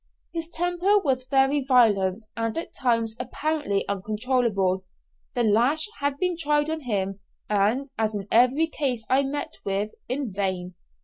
His temper was very violent, and at times apparently uncontrollable. The lash had been tried on him, and, as in every case I met with, in vain.